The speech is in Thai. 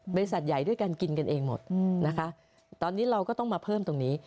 บริษัทใหญ่ด้วยกันกินกันเองหมดนะคะตอนนี้เราก็ต้องมาเพิ่มตรงนี้